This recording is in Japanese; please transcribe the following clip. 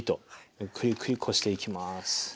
ゆっくりゆっくりこしていきます。